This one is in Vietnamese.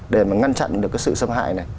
để mà ngăn chặn được cái sự xâm hại này